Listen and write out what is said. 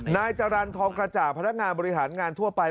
นายจรรย์ทองกระจ่างพนักงานบริหารงานทั่วไป